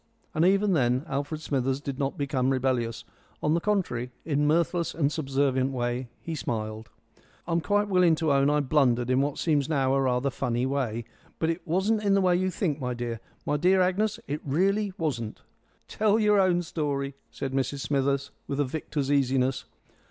And even then Alfred Smithers did not become rebellious; on the contrary, in a mirthless and subservient way he smiled. "I'm quite willing to own I blundered in what seems now rather a funny way. But it wasn't in the way you think, my dear. My dear Agnes, it really wasn't." "Tell your own story," said Mrs Smithers, with a victor's easiness.